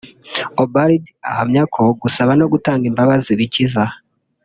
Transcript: Ubald ahamya ko gusaba no gutanga imbabazi bikiza